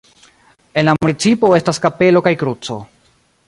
En la municipo estas kapelo kaj kruco.